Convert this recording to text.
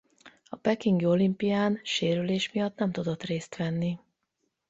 A pekingi olimpián sérülés miatt nem tudott részt venni.